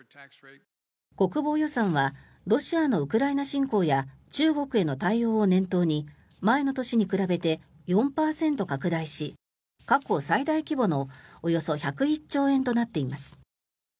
国防予算はロシアのウクライナ侵攻や中国への対応を念頭に前の年に比べて４％拡大し過去最大規模のおよそ１０１兆円となっています。